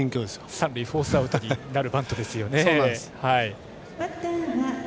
三塁フォースアウトになるバントですよね。